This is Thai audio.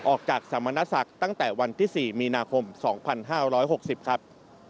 สมณศักดิ์ตั้งแต่วันที่๔มีนาคม๒๕๖๐ครับ